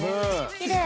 きれい。